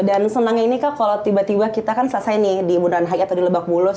dan senangnya ini kak kalau tiba tiba kita kan selesai nih di buran hai atau di lebak bulus